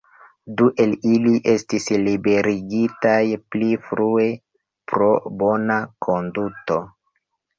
Du el ili estis liberigitaj pli frue pro bona konduto.